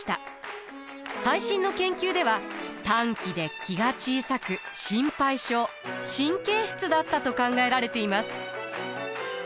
最新の研究では短気で気が小さく心配性神経質だったと考えられています。